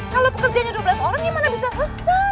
kalau pekerjanya dua belas orang gimana bisa selesai